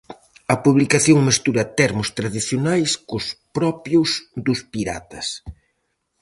A publicación mestura termos tradicionais cos propios dos piratas.